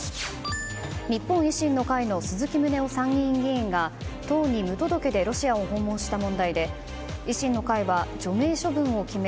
日本維新の会の鈴木宗男参議院議員が党に無届けでロシアを訪問した問題で維新の会は除名処分を決め